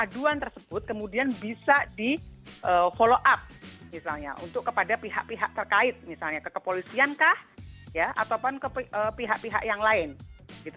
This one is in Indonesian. aduan tersebut kemudian bisa di follow up misalnya untuk kepada pihak pihak terkait misalnya ke kepolisian kah ya ataupun ke pihak pihak yang lain gitu